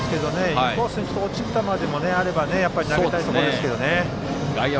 インコースに落ちる球でもあれば投げたいところですけどね。